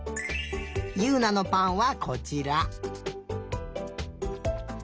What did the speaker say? ゆうなのぱんはこちら。